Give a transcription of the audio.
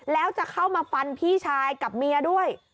แล้วจะเข้ามาฟันพี่ชายกับเมียด้วย